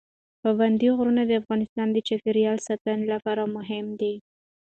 پابندی غرونه د افغانستان د چاپیریال ساتنې لپاره مهم دي.